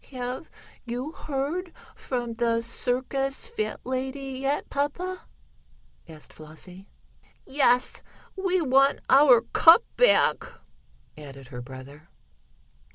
"Have you heard from the circus fat lady yet, papa?" asked Flossie. "Yes, we want our cup back," added her brother.